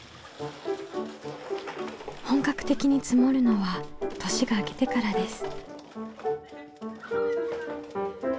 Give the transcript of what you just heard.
本格的に積もるのは年が明けてからです。